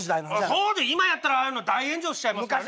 そう今やったら大炎上しちゃいますから。